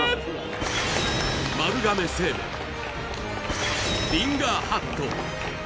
丸亀製麺リンガーハット